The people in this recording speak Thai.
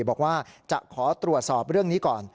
บอกว่าจะขอตรวจสอบเรื่องนี้ก่อน